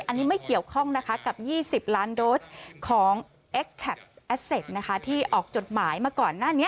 อันนี้ไม่เกี่ยวข้องนะคะกับยี่สิบล้านโดสของนะคะที่ออกจดหมายมาก่อนหน้านี้